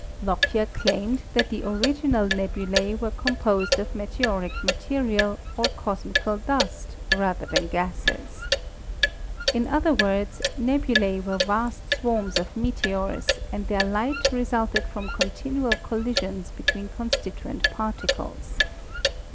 Lockyer claimed that the original nebulae were composed of meteoric material or cosmical dust rather than gases. In other words, nebulae were vast swarms of meteors and their light resulted from continual collisions between constituent particles.